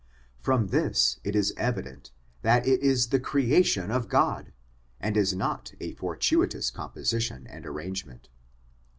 From this it is evident that it is the creation of God, and is not a fortuitous composition and arrange ment.